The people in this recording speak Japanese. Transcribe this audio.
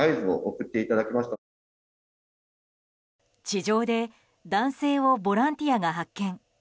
地上で男性をボランティアが発見。